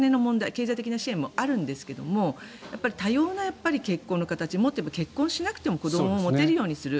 経済的な支援もあるんですが多様な結婚の形もっといえば結婚しなくても子どもを持てるようにする。